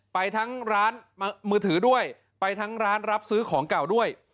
ไปทั้งร้านมือถือด้วยไปทั้งร้านรับซื้อของเก่าด้วย